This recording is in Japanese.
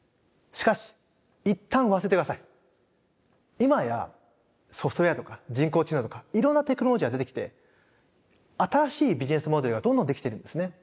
今やソフトウエアとか人工知能とかいろんなテクノロジーが出てきて新しいビジネスモデルがどんどんできているんですね。